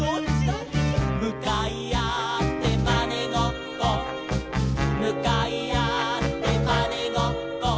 「むかいあってまねごっこ」「むかいあってまねごっこ」